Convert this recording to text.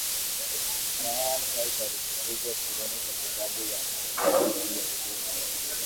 ryan white alifukuzwa shuleni kwa sababu ya maambukizi ya ukimwi